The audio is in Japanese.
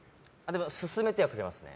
勧めてはくれますね。